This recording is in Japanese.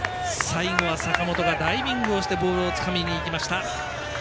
最後は坂本がダイビングをしてボールをつかみにいきました。